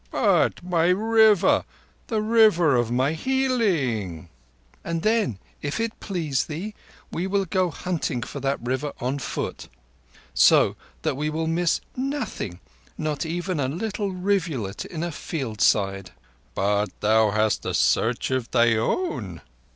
"But my River—the River of my healing?" "And then, if it please thee, we will go hunting for that River on foot. So that we miss nothing—not even a little rivulet in a field side." "But thou hast a Search of thine own?"